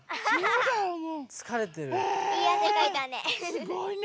すごいね。